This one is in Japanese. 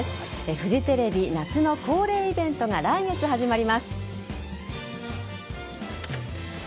フジテレビ夏の恒例イベントが来月始まります。